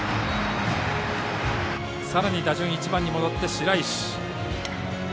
さらに打順１番に戻って、白石。